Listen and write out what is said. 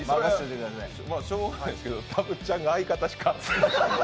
しょうがないんですけどたぶっちゃんが相方しか。